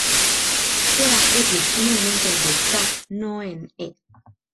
Sea "x" un elemento de "K" no en "E".